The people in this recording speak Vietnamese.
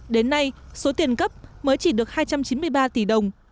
đến nay số tiền cấp mới chỉ được hai trăm chín mươi ba tỷ đồng